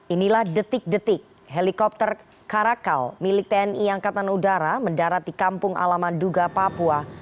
inilah detik detik helikopter karakal milik tni angkatan udara mendarat di kampung alaman duga papua